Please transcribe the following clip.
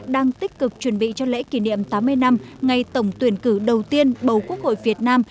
đang tích cực chuẩn bị cho lễ kỷ niệm tám mươi năm ngày tổng tuyển cử đầu tiên bầu quốc hội việt nam